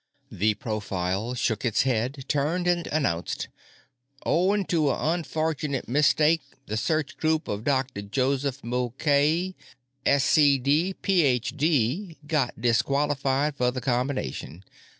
The profile shook its head, turned and announced: "Owing to a unfortunate mistake, the search group of Dr. Joseph Mulcahy, Sc.D., Ph.D., got disqualified for the combination.